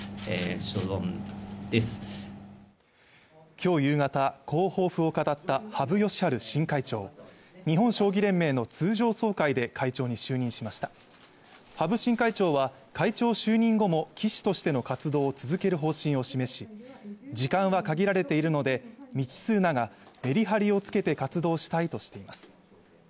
今日夕方、こう抱負を語った羽生善治新会長日本将棋連盟の通常総会で会長に就任しました羽生新会長は、会長就任後も棋士としての活動を続ける方針を示し、時間は限られているので、未知数だが、メリハリをつけて活動したいとしています